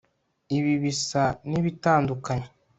ibi bisa ni bitandukanye